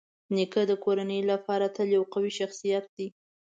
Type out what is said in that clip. نیکه د کورنۍ لپاره تل یو قوي شخصيت دی.